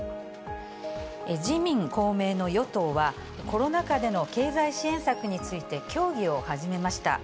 自民、公明の与党は、コロナ禍での経済支援策について協議を始めました。